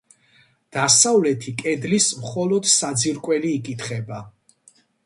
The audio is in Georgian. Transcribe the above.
დასავლეთი კედლის მხოლოდ საძირკველი იკითხება.